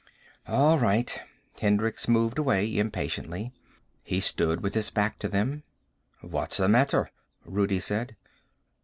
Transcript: "All right." Hendricks moved away impatiently. He stood with his back to them. "What's the matter?" Rudi said.